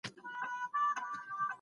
خلګو په پوره ورورولۍ ژوند وکړ.